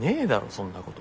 そんなこと。